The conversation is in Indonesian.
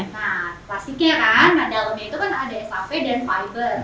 nah plastiknya kan nah dalamnya itu kan ada safe dan fiber